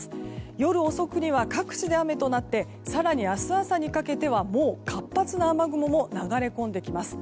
夜遅くには各地で雨となって更に明日朝にかけてはもう、活発な雨雲も流れ込んできます。